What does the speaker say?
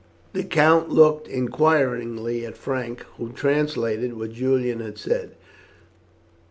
The count looked inquiringly at Frank, who translated what Julian had said.